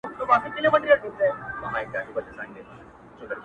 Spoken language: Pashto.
سپیني سپیني مرغلري-